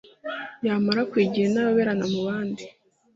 Yamara kuyigira intayoberana mubandi